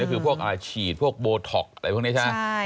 คือพวกอะไรฉีดโบท็อกอะไรพวกนี้ใช่ไหม